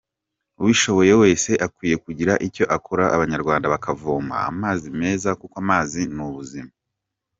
Ubishoboye wese akwiye kugira icyo akora, Abanyarwanda bakavoma amazi meza, kuko amazi ni ubuzima.